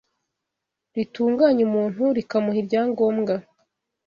ritunganya umuntu rikamuha ibyangombwa